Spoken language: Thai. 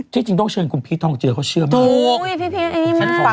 ที่จริงต้องเชิญคุณพีททองเจอเค้าเชื่อมาก